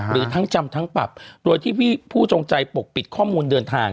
หรือทั้งจำทั้งปรับโดยที่ผู้จงใจปกปิดข้อมูลเดินทาง